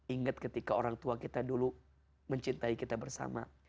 ingat ketika orang tua kita dulu mencintai kita bersama